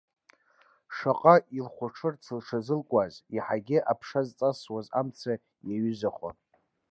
Шаҟа илхәаҽырц лҽазылкуаз, иаҳагьы аԥша зҵасуа амца иаҩызахон.